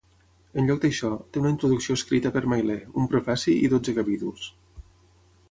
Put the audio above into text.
En lloc d'això, té una introducció escrita per Mailer, un prefaci i dotze capítols.